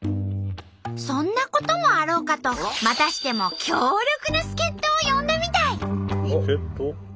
そんなこともあろうかとまたしても強力な助っ人を呼んだみたい！